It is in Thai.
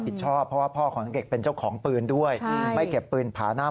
ชอบเพราะว่าพ่อของเด็กเป็นเจ้าของปืนด้วยไม่เก็บปืนผาหน้า